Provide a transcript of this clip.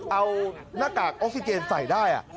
เอาหน้ากากออกซิเจนใส่ได้